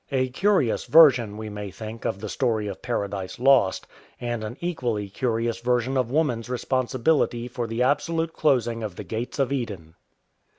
A curious version, we may think, of the story of Paradise Lost, and an equally curious version of woman's responsibility for the absolute closing of the gates of Eden.